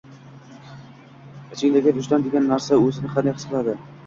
ichingdagi «vijdon» degan narsa o‘zini qanday his qiladi?